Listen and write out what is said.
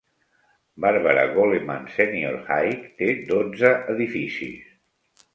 Barbara Goleman Senior High té dotze edificis.